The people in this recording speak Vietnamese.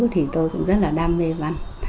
thì tôi cũng rất là đam mê văn